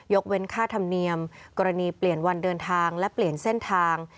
เว้นค่าธรรมเนียมกรณีเปลี่ยนวันเดินทางและเปลี่ยนเส้นทาง